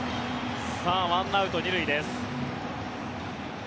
１アウト２塁です。